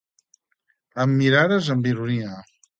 Em mirares amb ironia.